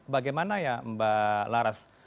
bagaimana ya mbak laras